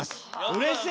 うれしい！